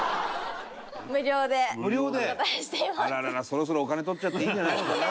そろそろお金取っちゃっていいんじゃないのかな。